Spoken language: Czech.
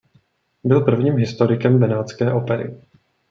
Byl prvním historikem benátské opery.